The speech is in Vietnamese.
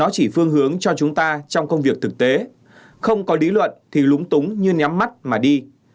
đúng cho chúng ta trong công việc thực tế không có lý luận thì lúng túng như nhắm mắt mà đi